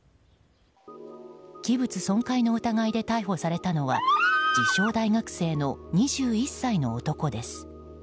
器物損壊の疑いで逮捕されたのは自称大学生の２１歳の男です。